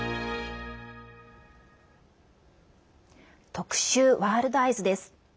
特集「ワールドＥＹＥＳ」です。